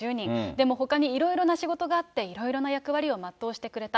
でもほかにいろいろな仕事があって、いろいろな役割を全うしてくれた。